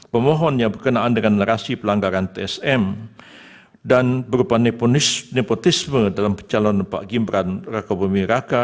pemohon yang berkenaan dengan narasi pelanggaran tsm dan berupa nepotisme dalam pencalonan pak gibran raka bumi raka